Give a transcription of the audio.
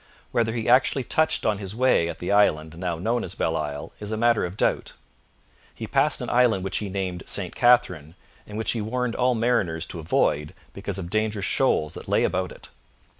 Whether he actually touched on his way at the island now known as Belle Isle is a matter of doubt. He passed an island which he named St Catherine, and which he warned all mariners to avoid because of dangerous shoals that lay about it.